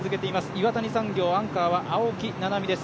岩谷産業、アンカーは青木奈波です。